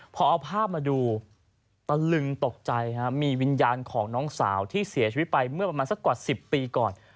พอเอาภาพมาดูตะลึงตกใจครับมีวิญญาณของน้องสาวที่เสียชีวิตไปเมื่อประมาณสักกว่า๑๐ปีก่อน